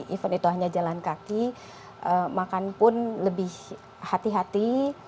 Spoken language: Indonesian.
even itu hanya jalan kaki makan pun lebih hati hati